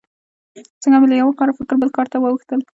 څنګه مې له یوه کاره فکر بل کار ته واوښتل.